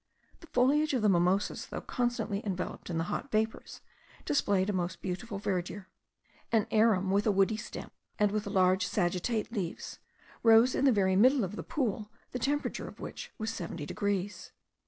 The foliage of the mimosas, though constantly enveloped in the hot vapours, displayed the most beautiful verdure. An arum, with a woody stem, and with large sagittate leaves, rose in the very middle of a pool the temperature of which was 70 degrees.